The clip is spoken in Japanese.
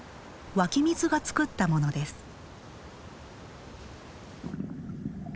湧き水が作ったものです。